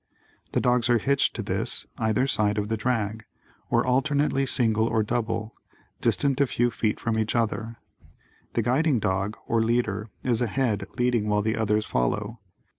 The dogs are hitched to this, either side of the drag, or alternately single or double, distant a few feet from each other. The guiding dog or leader is ahead leading while the others follow.